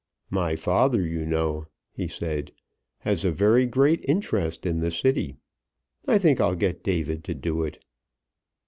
"My father, you know," he said, "has a very great interest in the city. I think I'll get David to do it."